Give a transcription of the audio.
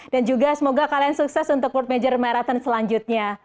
dan juga semoga kalian sukses untuk world major marathon selanjutnya